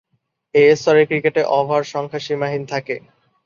এ স্তরের ক্রিকেটে ওভার সংখ্যা সীমাহীন থাকে।